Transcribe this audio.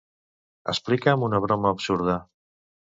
Explica'm una broma absurda.